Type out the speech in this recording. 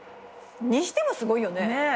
にしてもすごいよね。